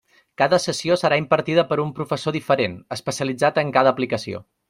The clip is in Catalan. Cada sessió serà impartida per un professor diferent especialitzat en cada aplicació.